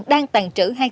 đang tàn trữ hai triệu đồng